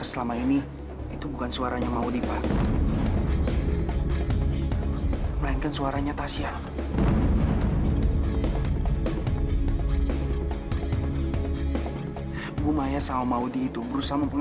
sampai tasya nyanyi suaranya gak sampai ke panggung